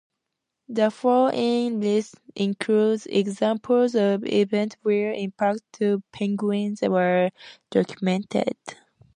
The following list includes examples of events where impacts to penguins were documented.